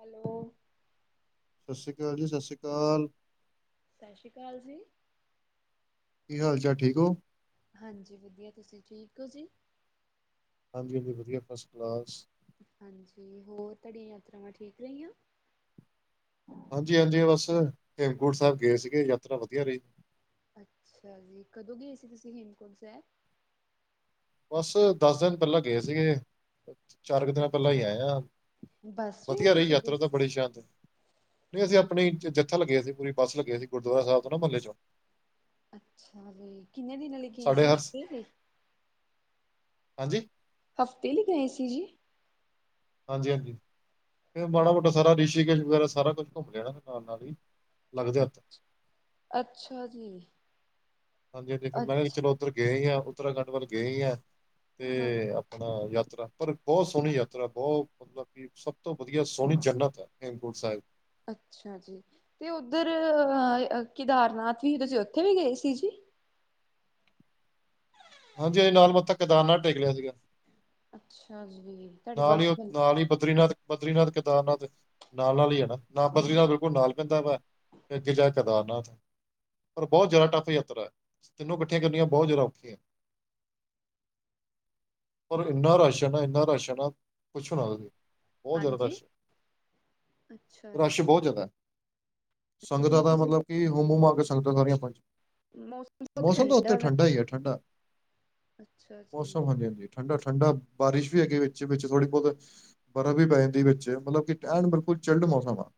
Hello ਸਤਿ ਸ੍ਰੀ ਅਕਾਲ ਜੀ, ਸਤਿ ਸ਼੍ਰੀ ਅਕਾਲ ਸਤਿ ਸ੍ਰੀ ਅਕਾਲ ਜੀ ਕੀ ਹਾਲ ਚਾਲ, ਠੀਕ ਹੋ ਹਾਂਜੀ ਵਧੀਆ ਤੁਸੀਂ ਠੀਕ ਹੋ ਜੀ। ਹਾਂਜੀ ਹਾਂਜੀ ਵਧੀਆ ਫਸਟ ਕਲਾਸ। ਹਾਂਜੀ ਹੋਰ ਤੁਹਾਡੀਆਂ ਯਾਤਰਾਵਾਂ ਠੀਕ ਰਹੀਆਂ। ਹੇਮਕੁੰਠ ਸਾਹਿਬ ਗਏ ਸੀਗੇ, ਯਾਤਰਾ ਵਧੀਆ ਰਹੀ। ਅੱਛਾ ਜੀ ਕਦੋਂ ਗਏ ਸੀ ਤੁਸੀਂ ਹੇਮਕੁੰਠ ਸਾਹਿਬ। ਬਸ ਦੱਸ ਦਿਨ ਪਹਿਲਾਂ ਗਏ ਸੀਗੇ। ਚਾਰ ਕੁ ਦਿਨਾਂ ਪਹਿਲਾਂ ਹੀ ਅੱਛਾ, ਆਏਆ, ਬੱਸ 'ਚ ਵਧੀਆ ਗਏ ਰਹੀ ਸੀਗੇ? ਯਾਤਰਾ, ਤਾਂ ਬੜੀ ਸ਼ਾਨਦ ਨਹੀਂ ਅਸੀਂ ਆਪਣੇ ਜੱਥਾ ਲੱਗਿਆ ਸੀ, ਪੂਰੀ ਬੱਸ ਲੱਗਿਆ ਸੀ ਗੁਰਦੁਆਰਾ ਸਾਹਿਬ ਤੋਂ ਨਾ ਮਹੱਲੇ ਚੋਂ ਅੱਛਾ ਵੀ ਕਿੰਨੇ ਦਿਨਾਂ ਲਈ ਗਏ ਸਾਡੇ ਸੀ, ਹਰ ਹਫ਼ਤੇ ਦੇ ਹਾਂਜੀ ਹਫ਼ਤੇ ਲਈ ਗਏ ਸੀ ਜੀ। ਹਾਂਜੀ ਹਾਂਜੀ ਫਿਰ ਮਾੜਾ ਮੋਟਾ ਸਾਰਾ ਰਿਸ਼ੀਕੇਸ਼ ਵਗੈਰਾ, ਸਾਰਾ ਕੁੱਛ ਘੁੰਮ ਲਿਆ ਨਾ, ਨਾਲ ਨਾਲ ਹੀ। ਲੱਗਦੇ ਅ ਹੱਥ ਅੱਛਾ ਜੀ ਹਾਂਜੀ ਹਾਂਜੀ ਫਿਰ ਮੈਂ ਚਲੋ ਉੱਧਰ ਗਏ ਹੀ ਹ ਉੱਤਰਾਖੰਡ ਵੱਲ ਗਏ ਹੀ ਆ ਹਾਂ ਤੇ ਆਪਣਾ ਯਾਤਰਾ ਪਰ ਬਹੁਤ ਸੋਹਣੀ ਯਾਤਰਾ, ਬਹੁਤ ਮਤਲਬ ਕਿ ਸਭ ਸਭ ਤੋਂ ਵਧੀਆ ਸੋਹਣੀ ਜਨਨਤ ਹੈਮਕੁੰਠ ਸਾਹਿਬ। ਅੱਛਾ ਜੀ ਤੇ ਉੱਧਰ ਕੇਦਾਰਨਾਥ ਵੀ ਤੁਸੀਂ ਉੱਥੇ ਵੀ ਗਏ ਸੀ ਜੀ। ਹਾਂਜੀ ਅ ਨਾਲ ਮੱਥਾ ਕਿਦਾਰ ਨਾਲ ਟੇਕ ਲਿਆ ਸੀਗਾ ਅੱਛਾ ਜੀ ਤੁਹਾਡੀ ਨਾਲ ਹੀ ਬੱਸ ਉਹ ਨਾਲ ਹੀ ਬਦਰੀਨਾਥ ਬਦਰੀਨਾਥ, ਕੇਦਾਰਨਾਥ ਨਾਲ ਨਾਲ ਹੀ ਹੈ ਨਾ ਨਾ ਬਦਰੀਨਾਥ ਬਿਲਕੁਲ ਨਾਲ ਪੈਂਦਾ ਹੈ। ਫੇਰ ਅਗੇ ਜਾਕੇ ਕੇਦਾਰਨਾਥ ਪਰ ਬਹੁਤ ਜ਼ਿਆਦਾ ਟੱਫ ਯਾਤਰਾ ਹੈ ਤਿਨੋ ਇਕੱਠੀਆਂ ਕਰਨੀਆਂ ਬਹੁਤ ਜ਼ਿਆਦਾ ਔਖੀਆਂੀਆਂ। ਪਰ ਇੰਨਾ ਰਸ਼ ਏ ਇੰਨਾ ਰਸ਼ ਪੁਛੋ ਨਾ ਤੁਸੀ ਬਹੁਤ ਜ਼ਿਆਦਾ ਹਾਂਜੀ। ਰਸ਼। ਅੱਛਾ ਜੀ, ਰਸ਼ ਹੀ ਬਹੁਤ ਜ਼ਿਆਦਾ ਐ। ਅੱਛਾ ਜੀ ਸੰਗਤਾਂ ਦਾ ਮੌਸਮ ਮਤਲਬ ਕਿ ਹੁਮਹੁਮਾਕੇ ਸੰਗਤਾਂ ਸਾਰੀਆਂ ਪੰਜ ਮੌਸਮ ਬਹੁਤ ਮੌਸਮ ਤਾਂ ਉੱਥੇ ਠੰਡਾ ਵੈ ਠੰਢਾ ਹੀ ਹੈ ਠੰਡਾ। ਅੱਛਾ ਜੀ ਮੌਸਮ ਹਾਂਜੀ ਹਾਂਜੀ ਠੰਡਾ ਠੰਡਾ ਬਾਰਿਸ਼ ਵੀ ਹੈਗੀ ਵੇ। ਵਿੱਚ-ਵਿੱਚ ਥੋੜੀ ਬਹੁਤ ਬਰਫ਼ ਵੀ ਪੈ ਜਾਂਦੀ ਵਿੱਚ ਮਤਲਬ ਕਿ ਐਨ ਬਿਲਕੁਲ ਚਿਲਡ ਮੌਸਮ ਆ।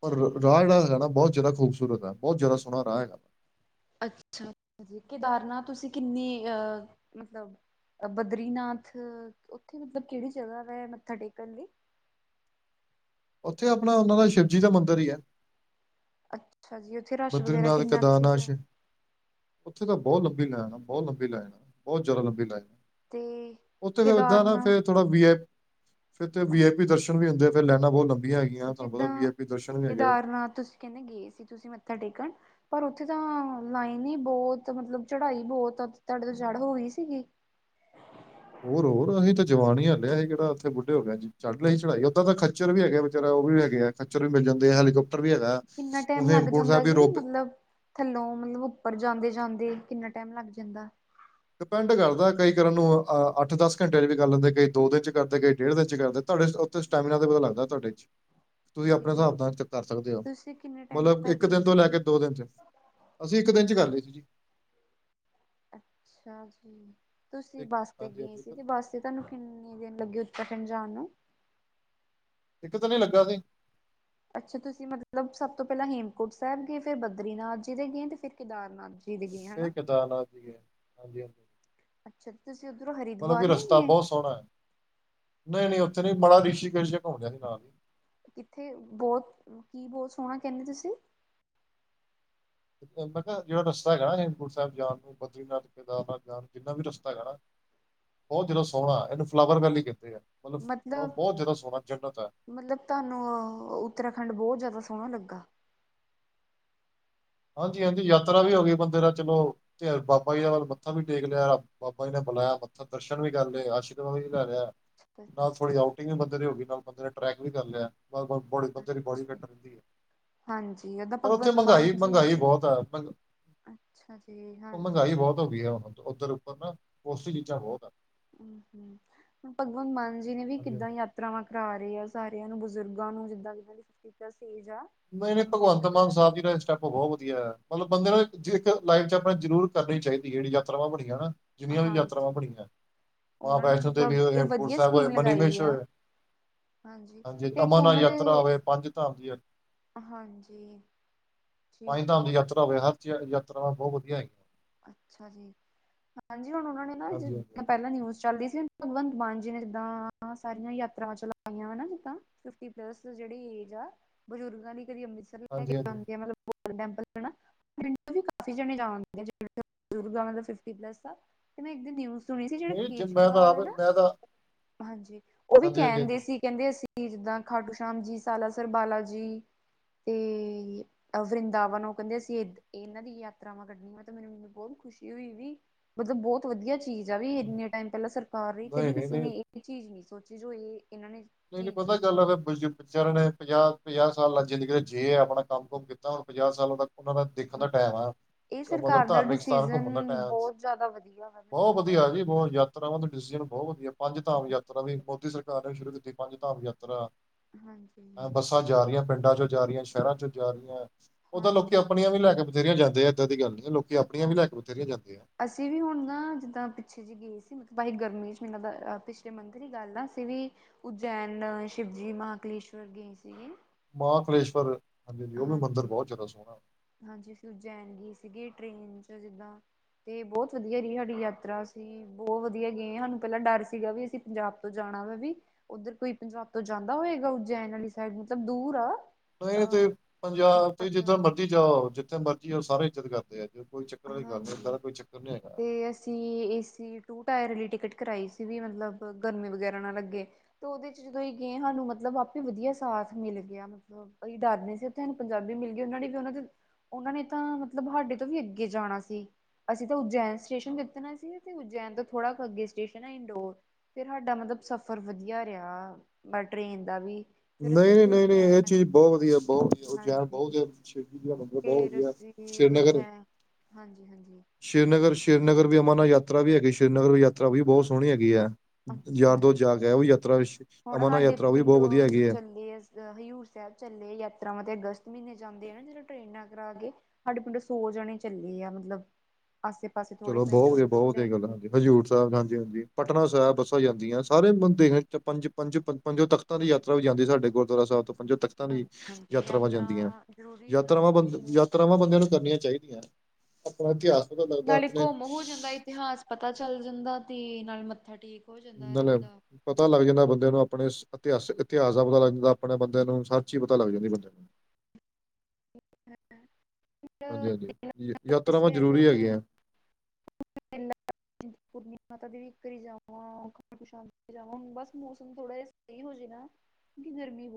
ਪਰ ਠੀਕ ਰਾਹ ਜਿਹਣਾ ਹੈਗਾ ਨਾ ਬਹੁਤ ਜ਼ਿਆਦਾ ਖੂਬਸੂਰਤ ਹੈ। ਬਹੁਤ ਜਿਆਦਾ ਸੋਹਣਾ ਰਾਹ ਹੈਗਾ। ਅੱਛਾ ਜੀ ਕੇਦਾਰਨਾਥ ਤੁਸੀਂ ਕਿੰਨੀ ਅ-ਅ ਮਤਲਬ ਬਦਰੀਨਾਥ ਉੱਥੇ ਮਤਲਬ ਕਿਹੜੀ ਜਗ੍ਹਾ ਵ ਮੱਥਾ ਟੇਕਣ ਲਈ। ਉੱਥੇ ਆਪਣਾ ਉਹਨਾਂ ਦਾ ਸ਼ਿਵਜੀ ਦਾ ਮੰਦਿਰ ਹੀ ਹੈ। ਅੱਛ। ਬਦਰੀਨਾਥ ਕੇਦਾਰਨਾਥ ਚ ਉੱਥੇ ਤਾਂ ਬਹੁਤ ਲੰਬੀ ਲਾਈਨ, ਬਹੁਤ ਲੰਬੀ ਲਾਈਨ ਆ ਬਹੁਤ ਜ਼ਿਆਦਾ ਲੰਬੀ ਲਾਈਨ ਆ। ਤੇ ਉਥੇ ਫੇਰ ਏਦਾਂ ਨਾ ਫੇਰ ਕੇਦਾਰਨਾਥ ਥੋੜਾ ਵੀਆਈ ਫਿਰ ਤੇ ਵੀਆਈਪੀ ਦਰਸ਼ਨ ਵੀ ਹੁੰਦੇ ਫਿਰ ਲਾਈਨਾਬਹੁਤ ਲੰਬੀ ਜਿੱਦਾ ਕੇਦਾਰਨਾਥ ਤੁਸੀਂ ਕਹਿੰਦੇ ਗਏ ਸੀ ਤੁਸੀ ਮ ਮੱਥਾ ਟੇਕਣ ਪਰ ਉੱਥੇ ਤਾਂ ਲਾਈਨ ਹੀ ਬੋਤ ਮਤਲਬ ਚੜਾਈ ਬੋਤ ਤੁਹਾਡੇ ਤੋਂ ਚੜ ਹੋਈ ਈਸੀਗੀ। [unintelligible] ਹੋਰ ਹੋਰ ਅਸੀਂ ਤਾ ਜਵਾਨ ਹੀ ਆ ਹਲੇ ਅਸੀ ਕਿਹੜਾ ਉੱਥੇ ਬੁਢੇ ਹੋਗੇ ਅੱਜ ਹੀ ਚੜ੍ਹ ਲਈ ਸੀ ਚੜਾਈ ਓਦਾਂ ਤਾਂ ਖੱਚਰ ਵੀ ਹੈਗਾ ਵਿਚਾਰਾ। ਉਹ ਵੀ ਹੈਗੇ ਆ ਖੱਚਰ ਵੀ ਮਿਲ ਜਾਂਦੇ ਆ ਹੈਲੀਕੋਪ ਕਿੰਨਾ ਟਾਈਮ ਲੱਗ ਜਾਂਦਾ ਜੀ, ਮਤਲਬ ਥੱਲੋਂ ਮਤਲਬ ਉੱਪਰ ਜਾਂਦੇ- ਜਾਂਦੇ। [inaudible] ਕਿੰਨਾ ਟਾਈਮ ਲੱਗ ਜਾਂਦਾ। ਡਿਪੈਂਡ ਕਰਦਾ ਕਈ ਕਰਨ ਨੂੰ, ਅਹ ਅੱਠ -ਦਸ ਘੰਟਿਆਂ ਚ ਵੀ ਕਰ ਲੈਂਦੇ, ਕਈ ਦੋ ਦਿਨ ਚ ਕਰਦੇ, ਕਈ ਡੇਢ ਦਿਨ ਚ ਕਰਦੇ ਤਾਂ ਤੁਹਾਡੇ ਉਥੇ, ਸਟੈਮੀਨਾ ਦਾ ਪਤਾ ਲੱਗਦਾ ਤੁਹਾਡੇ ਚ ਤੁਸੀਂ ਜੀ ਆਪਣੇ ਹਿਸਾਬ ਨਾਲ ਕਰ ਸਕਦੇ ਹੋ, ਤੁਸੀਂ ਕਿੰਨੇ ਟਾਈਮ ਚ ਮਤਲਬ ਕਰ ਇੱਕ ਲਈ ਦਿਨ ਤੋਂ ਲੈ ਸੀ ਕੇ ਦੋ ਦਿਨ ਚ ਅਸੀਂ ਇੱਕ ਦਿਨ ਚ ਕਰ ਲਏ ਸੀ ਜੀ। ਅੱਛਾ ਜੀ, ਤੁਸੀਂ ਇੱਕ- ਬੱਸ ਤੇ ਹਾਂਜੀ ਗਏ ਹਾਂਜੀ ਸੀ ਇੱਕ- ਤੇ ਬੱਸ ਤੇ ਤੁਹਾਨੂੰ ਕਿੰਨੇ ਦਿਨ ਲੱਗੇ? ਕਠਣ ਜਾਨ ਨੂੰ ਇੱਕ ਦਿਨ ਉਹ ਲੱਗਾ ਸੀ। ਅੱਛਾ, ਤੁਸੀਂ ਮਤਲਬ ਸਭ ਤੋਂ ਪਹਿਲਾਂ ਹੇਮਕੁੰਟ ਸਾਹਿਬ ਗਏ ਫਿਰ ਬਦਰੀਨਾਥ ਜੀ ਦੇ ਗਏ ਤੇ ਫਿਰ ਕੇਦਾਰਨਾਥ ਜੀ। ਦੇ ਗਏ ਫੇਰ ਹਨਾ ਕੇਦਾਰਨਾਥ ਜੀ ਗਏ, ਹਾਂਜੀ-ਹਾਂਜੀ ਅੱਛਾ ਤੁਸੀਂ ਉੱਧਰੋਂ ਮਤਲਬ ਕਿ ਹਰਿਦੁਆਰ ਨੀ ਰਸਤਾ ਗਏ ਬਹੁਤ ਸੋਹਣਾ ਏ, ਨਹੀਂ ਨਹੀਂ ਉਥੇ ਇਥੇ ਨੀ [inaudible] ਬੜਾ ਰਿਸ਼ੀਕੇਸ਼ ਘੁੰਮਦੇ ਸੀ ਨਾਲ। ਕਿੱਥੇ ਬਹੁਤ ਕੀ ਬਹੁਤ ਸੋਹਣਾ ਕਹਿੰਦੇ ਤੁਸੀਂ? ਮੈਂ ਕਿਹਾ ਜਿਹੜਾ ਰਸਤਾ ਹੈਗਾ ਨਾ ਹੇਮਕੁੰਟ ਸਾਹਿਬ ਜਾਣ ਨੂੰ ਬਦਰੀਨਾਥ ਕੇਦਾਰਨਾਥ ਜਾਣ ਨੂੰ ਜਿੰਨਾ ਵੀ ਰਸਤਾ ਹੈਗਾ ਨਾ ਬਹੁਤ ਜਾਦਾ ਸੋਹਣਾ ਇਹਨੂੰ ਫਲਾਵਰ ਵੈਲੀ ਕੰਦੇ ਆ। ਬ- ਮਤਲਬ- ਬਹੁਤ ਜ਼ਿਆਦਾ ਸੋਹਣਾ ਜੰਨਤ ਹੈ ਮਤਲਬ ਤੁਹਾਨੂੰ ਅ ਉੱਤਰਾਖੰਡ ਬਹੁਤ ਜ਼ਿਆਦਾ ਹੋ ਸੋਹਣਾ ਲੱਗਾ। ਹਾਂਜੀ ਹਾਂਜੀ ਯਾਤਰਾ ਵੀ ਹੋ ਗਈ ਬੰਦੇ ਦਾ ਚਲੋ ਤੇ ਬਾਬਾ ਜੀ ਦਾ ਵੱਲ ਮੱਥਾ ਵੀ ਟੇਕ ਲਿਆ ਬਾਬਾ ਜੀ ਨੇ ਬਣਾਇਆ ਪੱਥਰ ਦਰਸ਼ਨ ਵੀ ਕਰ ਲਏਆਸ਼ੀਰਵਾਦ ਵੀ ਲੈ ਲਿਆ। ਨਾਲ ਥੋੜ੍ਹੀ ਆਊਟਿੰਗ ਵੀ ਬੰਦੇ ਦੀ ਹੋਗੀ ਨਾਲ ਬੰਦੇ ਨੇ ਟਰੈਕ ਵੀ ਕਰ ਲਿਆ। ਨਾਲ-ਨਾਲ ਬੋਡੀ ਬੰਦੇ ਦੀ ਅੱਛਾ, ਬੋਡੀਫਿੱਟ ਰਹਿੰਦੀ ਹੈ, ਹਾਂਜੀ ਓਦਾਂ ਪਰ ਉੱਥੇ ਭਗਵੰਤ ਮਾਨ ਮਹਿੰਗਾਈ ਜੀ ਨੇ ਮਹਿੰਗਾਈ ਵੀ ਬਹੁਤ ਹੈ ਅੱਛਾ ਜੀ ਹਾਂਜੀ ਮਹਿੰਗਾ--ਮਹਿੰਗਾਈ ਬਹੁਤ ਹੋ ਗਈ ਆ। ਉੱਧਰ ਉੱਪਰ ਨਾ ਪੋਸ਼ਟੀ ਚੀਜ਼ਾਂ ਬਹੁਤ ਐ। ਹਮ ਹਮ ਭਗਵੰਤ ਮਾਨ ਜੀ ਨੇ ਵੀ ਹਾਂਜੀ ਹਾਂਜੀ। ਕਿੱਦਾਂ ਯਾਤਰਾਵਾਂ ਕਰਾ ਰੇ ਆ। ਸਾਰਿਆਂ ਨੂੰ ਬਜ਼ੁਰਗਾਂ ਨੂੰ ਜਿੱਦਾਂ ਕਿਦਾ ਕਿ ਫਿਫਟੀ ਪਲਸ। ਨਹੀਂ -ਨਹੀਂ, ਭਗਵੰਤ ਮਾਨ ਸਾਹਿਬ ਜੀ ਦਾ ਇਹ ਸਟੈਪ ਬਹੁਤ ਵਧੀਆ। ਮਤਲਬ ਬੰਦੇ ਨੇ ਇੱਕ ਲਾਈਫ ਚ ਆਪਣਾ ਜ਼ਰੂਰ ਕਰਨੀ ਚਾਹੀਦੀ, ਜਿਹੜੀ ਯਾਤਰਾਵਾਂ ਬਣੀਆਂ ਨਾ। ਜਿੰਨੀਆਂ ਵੀ ਯਾਤਰਾਵਾਂ ਹਾਂਜੀ ਬਣੀਆਂ ਮਾਂ ਉਹਨਾਂ ਨੇ ਵੈਸ਼ਨੋ ਦੇਵੀ, ਮਤਲਬ ਇਹ ਹੇਮਕੁੰਟ ਵਧੀਆ ਸਾਹਿਬ ਹੋਏ ਸਕੀਮ ਲਗਾਈ ਆ ਮਨੀਮਹੇਸ਼ਰ। ਹਾਂਜੀ, ਤੇ ਇੱਕ ਅਮਰਨਾਥ ਉਹਨਾਂ ਦੇ ਯਾਤਰਾ ਆਵੇ ਪੰਜ ਧਾਮ ਦੀ ਹੈ। ਹਾਂਜੀ, ਠੀਕ ਪੰਜ ਧਾਮ ਹੈ ਦੀ ਜੀ। ਯਾਤਰਾ ਹੋਵੇ ਹਰ ਯਾਤਰਾਵਾਂ, ਬਹੁਤ ਵਧੀਆ ਹੈਗੀਆਂ। ਅੱਛਾ ਜੀ, ਹਾਂਜੀ ਹੁਣ ਉਹਨਾਂ ਨੇ ਹਾਂਜੀ ਹਾਂਜੀ ਨਾ ਹਾਂਜੀ ਪਹਿਲਾਂ ਨਿਊਜ਼ ਚੱਲਦੀ ਸੀ। ਭਗਵੰਤ ਮਾਨ ਜੀ ਨੇ, ਜਿੱਦਾਂ ਸਾਰੀਆਂ ਯਾਤਰਾ ਚਲਾਵਾਈਆਂ ਵ ਨਾ ਜਿੱਦਾਂ ਫਿਫਟੀ ਪਲੱਸ ਜਿਹੜੀ ਬਜ਼ੁਰਗਾਂ ਦੀ ਦੀ ਅੰਮ੍ਰਿਤਸਰ ਲੈ ਕੇ ਹਾਂਜੀ ਹਾਂਜੀ ਜਾਂਦੀ ਆ, ਮਤਲਬ ਗੋਲਡਨ ਟੈਂਪਲ ਹੈ ਨਾ, ਪਿੰਡ ਤੋਂ ਵੀ ਕਾਫੀ ਜਣੇ ਜਾ ਰਹੇ। ਫਿਫਟੀ ਪਲੱਸ ਦਾ, ਮੈਂ ਇੱਕ ਦਿਨ ਨਿਊਜ਼ ਸੁਣੀ ਸੀ ਜਿਹੜੇ ਨਹੀਂ ਜ ਮੈਂ ਤਾਂ, ਕੇਜਰੀਵਾਲ ਹੈ ਨਾ ਮੈਂ ਤਾਂ ਹਾਂਜੀ, ਉਹ ਵੀ ਹਾਂਜੀ ਹਾਂਜੀ ਕਹਿਣਦੇ ਹਾਂਜੀ ਸੀ ਕਹਿੰਦੇ ਅਸੀਂ ਜਿੱਦਾਂ ਖਾਟੂ ਸ਼ਾਮ ਜੀ, ਸਾਲਾ ਸਰ ਬਾਲਾ ਜੀ ਤੇ ਵਰਿੰਦਾਵਨ, ਉਹ ਕਹਿੰਦੇ ਅਸੀਂ ਇਹਨਾਂ ਦੀ ਯਾਤਰਾਵਾਂ ਕੱਢਣੀਆਂ। ਮੈਨੂੰ ਮਨੂੰ ਬਹੁਤ ਖੁਸ਼ੀ ਹੋਈ ਵੀ, ਮਤਲਬ ਬਹੁਤ ਵਧੀਆ ਚੀਜ਼ ਆ ਵੀ ਇੰਨੇ ਟਾਈਮ ਪਹਿਲਾਂ ਸਰ ਕਰ ਰਹੀ ਕਦੀ ਨਹੀਂ ਨਹੀਂ ਕਿਸੇ ਨਹੀਂ ਨੇ ਇਹ ਚੀਜ਼ ਨਹੀਂ ਸੋਚੀ ਜੋ ਇਹ ਇਹਨਾਂ ਨੇ ਨਹੀਂ- ਨਹੀਂ, ਚੀਜ਼ ਪਤਾ ਗੱਲ ਸੋਚੀ ਆ ਹੈ ਚਰਨ ਪੰਜਾਬ ਪੰਜਾਹ ਸਾਲ ਲੱਜਦ ਜੇ ਆਪਣਾ ਕੰਮ ਕੁਮ ਕੀਤਾ, ਹੁਣ ਪੰਜਾਹ ਸਾਲਾਂ ਦਾ ਉਹਨਾਂ ਦਾ ਦੇਖਣ ਦਾ ਟਾਈਮ ਆ ਇਹ ਮਤਲਬ ਸਰਕਾਰ ਦਾ ਧਾਰਮਿਕ ਸਥਾਨ ਡਿਸੀਜ਼ਨ ਘੁੰਮਣ ਦਾ ਟਾਈਮ ਬਹੁਤ ਜ਼ਿਆਦਾ ਵਧੀਆ ਵਾ ਮੈਨੂੰ ਬਹੁਤ ਲੱਗਾ ਵਧੀਆ ਜੀ, ਬਹੁਤ ਯਾਤਰਾਵਾਂ ਦਾ ਡਸੀ ਬਹੁਤ ਵਧੀਆ ਪੰਜ -ਧਾਮ ਯਾਤਰਾ ਵੀ ਮੋਦੀ ਸਰ ਨੇ ਸ਼ੁਰੂ ਕੀਤੀ, ਪੰਜ ਧਾਮ ਯਾਤਰਾ ਹਾਂਜੀ ਬੱਸਾਂ ਜਾ ਰਹੀਆਂ ਪਿੰਡ ਪਿੰਡਾਂ ਚੋ ਜਾ ਰਹੀਆਂ, ਸ਼ਹਿਰਾਂ ਚੋ ਜਾ ਰਹੀਆਂ ਉਹ ਤਾਂ ਹਾਂਜੀ ਲੋਕੀ ਆਪਣੀਆਂ ਵੀ ਲੈ ਕੇ ਬਥੇਰੀਆਂ ਜਾਂਦੇ ਆ, ਏਦਾਂ ਦੀ ਗੱਲ ਨਹੀਂ ਹੈ ਲੋਕ ਹਾਂਜੀ, ਅਸੀਂ ਵੀ ਹੁਣ ਨਾ ਜਿੱਦਾਂ ਪਿੱਛੇ ਜੇ ਗਏ ਸੀ ਮ ਭਾਈ ਗਰਮੀ ਚ ਮੈਨੂੰ ਲੱਗਦਾ, ਪਿਛਲੇ ਮੰਥ ਹੀ ਗੱਲ ਆ, ਅਸੀ ਵੀ ਉਜੈਨ, ਸ਼ਿਵਜੀ, ਮਹਕਲੇਸ਼ ਵਰ ਗਏ ਸੀ ਗੇ। ਮਹਾਂਕਲੇਸ਼ਵਰ। ਹਾਂਜੀ ਹਾਂਜੀ ਅਸੀਂ ਉਜਜੈਨਗੀ ਸੀਗੇ ਟ੍ਰੇਨ ਚ ਜਿੱਦਾਂ [unintelligible] ਤੇ ਬਹੁਤ ਵਧੀਆ ਸਾਡੀ ਯਾਤਰਾ ਅਸੀਂ ਬਹੁਤ ਵਧੀਆ ਗਏ ਸਾਨੂੰ ਪਹਿਲਾਂ ਡਰ ਸੀਗਾ ਵੀ ਅਸੀਂ ਪੰਜਾਬ ਤੋਂ ਜਾਣਾ ਵੀ ਉੱਧਰ ਕੋਈ ਪੰਜਾਬ ਤੋਂ ਜਾਂਦਾ ਹੋਏਗਾ ਉਜੈਨ ਵਾਲੀ ਸਾਈਡ ਮਤਲਬ ਦੂਰ ਆ ਅ ਨਹੀਂ ਤੇ ਪੰਜਾਬ ਤੁਸੀਂ ਬਟ ਜਿੱਦਾਂ ਮਰਜ਼ੀ ਜਾਓ ਜਿੱਥੇ ਮਰਜ਼ੀ ਆਓ ਸਾਰੇ ਇੱਜਤ ਕਰਦੇ ਆ ਕੋਈ ਚੱਕਰ ਵਾਲੀ ਗੱਲ ਨਹੀਂ ਏਦਾਂ ਹਾਂਜੀ, ਦਾ ਕੋਈ ਚੱਕਰ ਨਹੀਂ ਹੈਗਾ। ਤੇ ਅਸੀਂ ਏਸੀ ਟੂ ਟਾਇਰ ਟਿਕਟ ਕਰਾਈ ਸੀ, ਵੀ ਮਤਲਬ ਗਰਮੀ ਵਗੈਰਾ ਨਾ ਲੱਗੇ ਤੇ ਉਹਦੇ ਚ ਜਦੋਂ ਗਏ ਸਾਨੂੰ ਮਤਲਬ ਆਪੇ ਵਧੀਆ ਸਾ ਮਿਲ ਗਿਆ, ਮਤਲਬ ਕੋਈ ਡਰ ਨਹੀਂ ਸੀ ਓਥੇ, ਪੰਜਾਬੀ ਮਿਲ ਗਏ, ਉਹਨਾ ਨੇ ਵੀ ਉਹਨਾਂ ਦੇ ਉਹਨਾਂ ਨੇ, ਤਾਂ ਮਤਲਬ ਸਾਹਾਡੇ ਤੋਂ ਵੀ ਅੱਗੇ ਜਾਣਾ ਸੀ। ਅਸੀਂ ਤਾਂ ਉਜੈਨ ਸਟੇਸ਼ਨ ਤੇ ਉਤਰਨਾ ਸੀ, ਤੇ ਉਜੈਨ ਤੋਂ ਥੋੜਾ ਅੱਗੇ ਸਟੇਸ਼ਨ ਹੈ ਇੰਦੌਰ ਫਿਰ ਸਾਡਾ ਮਤਲਬ ਸਫ਼ਰ ਵਧੀਆ ਰਿਹਾ, ਟ੍ਰੇਨ ਦਾ ਵੀ ਫਿਰ ਅਸੀਂ ਨਹੀਂ -ਨਹੀਂ, ਉੱਥੇ ਨਹੀਂ- ਨਹੀਂ, ਇਹ ਉਜੈਨ ਚੀਜ਼ ਬਹੁਤ ਵਧੀਆ, ਬਹੁਤ ਵਧੀਆ ਉਹ ਜਾਣ ਹਾਂਜੀ ਬਹੁਤ ਵਧੀਆ, ਬਹੁਤ ਵਧੀਆ ਉਜਾ ਸ਼੍ਰੀਨਗਰ ਹਾਂਜੀ -ਹਾਂਜੀ। ਰ ਸ਼੍ਰੀ ਨਗਰ ਵੀ, ਅਮਰ ਨਾਲ ਯਾਤਰਾ ਵੀ ਹੈਗੀ, ਸ਼੍ਰੀ ਨਗਰ ਵੀ ਯਾਤਰਾ ਵੀ ਬਹੁਤ ਸੋਹਣੀ ਹੈਗੀ ਹੈ। ਯਾਰ ਅੱਛਾ ਦੋ ਜਾ ਕੇ ਉਹ ਵੀ ਯਾਤਰਾ ਹੁਣ ਅਮਰਨਾਥ ਸਾਡੇ ਯਾਤਰਾ ਉਹ ਵੀ ਬਹੁਤ ਪਿੰਡੋਂ ਵਧੀਆ। ਹੈਗੀ ਹੈ। ਚੱਲੇ ਹਜ਼ੂਰ ਸਾਹਿਬ ਚੱਲੇ, ਯਾਤਰਾਵਾਂ ਤੇ ਅਗਸਤ ਮਹੀਨੇ ਜਾਂਦੇ ਆ ਨਾ, ਜਿਹੜਾ ਟਰੇਨਾਂ ਕਰਾ ਕੇ ਸਾਡੇ ਪਿੰਡ ਸੌ ਜਾਣੇ ਚੱਲੇ ਆ ਮਤਲਬ ਆਸੇ ਪਾਸੇ ਥੋੜੇ ਚਲੋ ਪਿੰਡ ਬਹੁਤ ਵਧੀਆ, ਉੱਧਰੋਂ ਬਹੁਤ ਵਧੀਆ ਲੈ ਗੱਲ ਕੇ ਹਾਂਜੀ ਹਜ਼ੂਰ ਸਾਹਿਬ, ਹਾਂਜੀ- ਹਾਂਜੀ। ਪਟਨਾ ਸਾਹਿਬ ਬੱਸਾਂ ਜਾਂਦੀਆਂ, ਸਾਰੇਦੇ ਪੰਜ -ਪੰਜ, ਪੰਜ ਤਖ਼ਤਾਂ ਦੀ ਯਾਤਰਾ ਵੀ ਜਾਂਦੀ ਸਾਡੇ ਗੁਰਦੁਆਰਾ ਸਾਹਿਬ ਤੋਂ ਪੰਜੋਂ ਤਖ਼ਤਾਂ ਦੀ ਹਾਂਜੀ ਯਾਤਰਾਵਾਂ ਯਾਤਰਾ ਜਾਂਦੀਆਂ। ਜ਼ਰੂਰੀ ਹੈ ਨਾ ਯਾਤਰਾਵਾਂ ਬੰ ਬਹੁਤ ਜ਼ਿਆਦਾ ਯਾਤਰਾਵਾਂ ਬੰਦਿਆਂ ਨੂੰ ਕਰਨੀਆਂ ਚਾਹੀਦੀਆਂ, ਆਪਣਾ ਇਤਿਹਾਸ ਲੱਗਦਾ। ਨਾਲੇ ਆਪਣੇ ਘੁੰਮ ਹੋ ਜਾਂਦਾ, ਇਤਿਹਾਸ ਪਤਾ ਚੱਲ ਜਾਂਦਾ ਤੇ ਨਾਲ ਮੱਥਾ ਟੇਕ ਹੋ ਜਾਂਦਾ ਰੱਬ ਨਾਲੇ ਦਾ ਪਤਾ ਲੱਗ ਜਾਂਦਾ ਬੰਦੇ ਨੂੰ ਆਪਣੇ ਇਤਿਹਾਸ ਇਤਿਹਾਸ ਦਾ ਪਤਾ ਲੱਗ ਜਾਂਦਾ ਆਪਣੇ ਬੰਦਿਆ [unintelligible] ਨੂੰ ਹਰ ਚੀਜ਼ ਪਤਾ ਲੱਗ ਜਾਂਦੀ ਬੰਦੇ ਨੂੰ [inaudible] ਹਾਂਜੀ ਹਾਂਜੀ ਯਾਤਰਾਵਾਂ ਜ਼ਰੂਰੀ ਹੈਗ ਆ [unintelligible] ਪੂਰਨੀਮੀ ਮਾਤਾ ਦੇ ਵੀ [unintelligible] ਕਰ ਜਾਵਾਂ ਖਣ ਪਛ ਜਾਵੁਣ ਬਸ ਮੌਸਮ ਥੋੜਾ ਜਹਾ ਸਹੀ ਹੋ ਜਾੇ ਨਾ ਕਿਕਿ ਗਰਮੀ [unintelligible]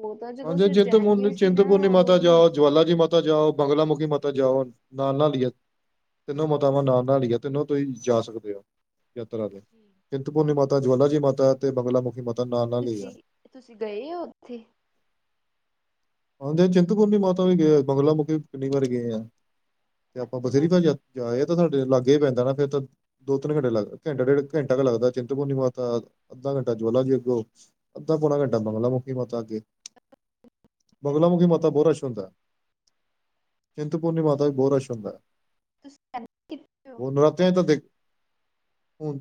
ਹਾਂਜੀ ਅਸੀਂ ਉਜੈਨ ਚਿੰਤਪੂਰਨੀ ਗਏ ਸੀ ਨਾ ਚਿੰਤਪੂਰਨੀ ਉਦੋਂ ਮਾਤਾ ਵੀ ਜਾਓ ਜਵਾਲਾ ਜੀ ਮਾਤਾ ਜਾਓ ਬੰਗਲਾਮੁਖੀ ਮਾਤਾ ਜਾਓ ਨਾਲ ਨਾਲ ਹੀ ਆ ਤਿੰਨੋ ਅੱਛਾ ਮਾਤਾਵਾਂ ਨਾਲ ਨਾਲ ਹੀ ਆ ਤਿੰਨੋ ਤੁਸੀ ਹੀਂ ਜਾ ਸਕਦੇ ਹੋ ਯਾਤਰਾ ਤੇ ਜੀ ਚਿੰਤਪੂਰੁਰਨੀ ਮਾਤਾ ਜਵਾਲਾ ਜੀ ਮਾਤਾ ਤੇ ਬੰਗਲਾ ਮੁਖੀ ਮਾ ਤੁਸੀਂ ਤੁਸੀਂ ਗਏ ਹੋ ਉੱਥੇ। ਹਾਂਜੀ, ਚਿੰਤਪੁਰਨੀ ਮਾਤਾ ਵੀ ਗਏ ਬੰਗਲਾ ਮੁਖੀ ਕਿੰਨੀ ਵਾਰੀ ਗਏ ਆ। ਤੇ ਆਪਾਂ ਬਥੇਰੀ ਅੱਛਾ ਜੀ ਜਾਏ ਤਾਂ ਸਾਡੇ। ਲਾਗੇ ਹੀ ਪੈਂਦਾ ਨਾ ਫ਼ਿਰ ਦੋ ਤਿੰਨ ਘੰਟੇ ਲੱਗ ਘੰਟਾ ਡੇਢ ਘੰਟਾ ਲੱਗਦਾ ਚਿੰਤਪੁਰਨੀ ਮਾਤਾ ਅੱਧਾ ਘੰਟਾ। ਜਵਾਲਾ ਜੀ ਅੱਗੋ ਅੱਧਾ ਪੌਣਾ ਘੰਟਾ ਬੰਗਲਾ ਮੁਖੀ ਮਾਤਾ ਤੇ। ਬੰਗਲਾਮੁਖੀ ਮਾਤਾ ਬਹੁਤ ਰਸ਼ ਹੁੰਦਾ। ਚਿੰਤਪੁਰਨੀ ਮਾਤਾ ਵੀ ਬਹੁਤ ਰਸ਼ ਹੁੰਦਾ ਤੁਸੀਂ ਕਿੱਥੇ ਹੋ ਉਹ ਨਰਾਤਿਆਂ ਚ ਤਾਂ। ਹੁਣ।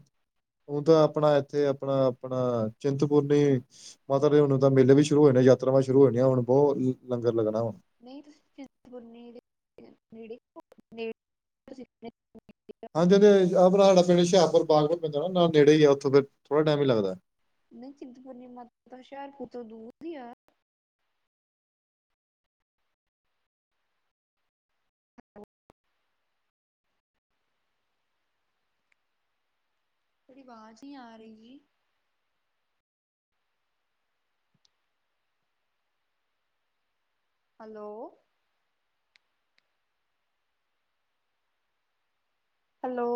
ਉਹ ਤਾਂ ਆਪਣਾ ਇੱਥੇ ਆਪਣਾ ਆਪਣਾ ਚਿੰਤਪੂਰਨੀ ਮਾਤਾ ਦੇ ਹੁਣ ਤਾਂ ਮੇਲੇ ਵੀ। ਸ਼ੁਰੂ ਹੋਏ ਨੇ ਯਾਤਰਾਵਾਂ ਸ਼ੁਰੂ ਹੋਈਆਂ ਹੁਣ ਬਹੁਤ ਲੰਗਰ ਲੱਗਣਾ ਹੁਣ। ਨਹੀਂ ਤੁਸੀਂ ਚਿੰਤਪੂਰਨੀ ਨੇੜੇ ਹੋ? ਹਾਂਜੀ ਹਾਂਜੀ, ਸਾਡਾ ਪਿੰਡ [unintelligible] ਪੈਂਦਾ ਨਾ ਨੇੜੇ ਈ ਉੱਥੇ ਫੇਰ ਥੋੜਾ ਟਾਇਮ ਹੀ ਲੱਗਦਾ। ਨਹੀਂ ਚਿੰਤਪੁਰਨੀ ਮਾਤਾ ਤਾਂ ਹੁਸ਼ਿਆਰਪੁਰ ਤੋਂ ਦੂਰ ਈ ਆ? ਤੁਹਾਡੀ ਆਵਾਜ਼ ਨਹੀਂ ਆ ਰਹੀ ਜੀ। ਹੈਲੋ। ਹੈਲੋ।